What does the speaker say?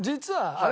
あれ？